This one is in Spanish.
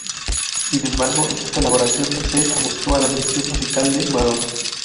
Sin embargo, esta colaboración no se ajustó a la dirección musical de Madonna.